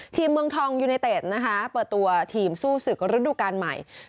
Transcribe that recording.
เมืองทองยูเนเต็ดนะคะเปิดตัวทีมสู้ศึกระดูกาลใหม่